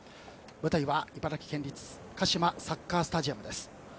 舞台は茨城県立カシマサッカースタジアムです。